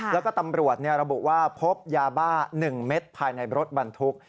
แล้วก็ตำรวจระบุว่าพบยาบ้า๑เม็ดภายในรถบรรทุก